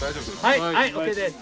はいはいＯＫです。